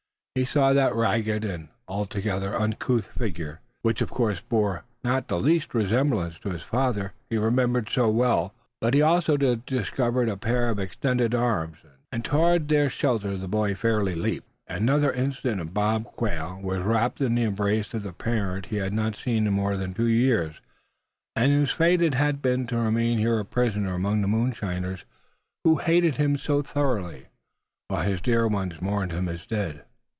He saw that ragged and altogether uncouth figure, which of course bore not the least resemblance to the father he remembered so well; but he also had discovered a pair of extended arms, and toward their shelter the boy fairly leaped. Another instant and Bob Quail was wrapped in the embrace of the parent he had not seen in more than two years, and whose fate it had been to remain here a prisoner among the moonshiners who hated him so thoroughly, while his dear ones mourned him as dead.